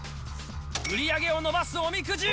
売り上げを伸ばすおみくじ。